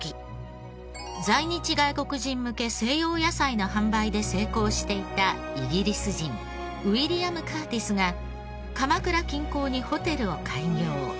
在日外国人向け西洋野菜の販売で成功していたイギリス人ウィリアム・カーティスが鎌倉近郊にホテルを開業。